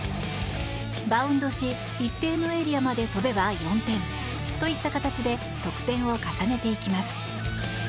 バウンドし一定のエリアまで飛べば４点といった形で得点を重ねていきます。